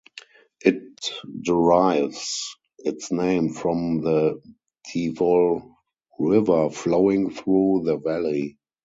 It derives its name from the Devoll river flowing through the valley.